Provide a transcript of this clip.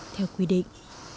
theo quy định